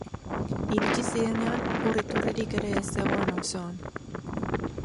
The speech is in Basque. Iritsi zirenean, ur iturririk ere ez zegoen auzoan.